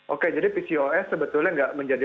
oke jadi pcos sebetulnya nggak menjadi